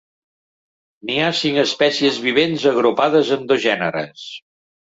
N'hi ha cinc espècies vivents agrupades en dos gèneres.